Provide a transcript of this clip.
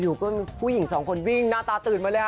ก็มีผู้หญิงสองคนวิ่งหน้าตาตื่นมาเลยค่ะ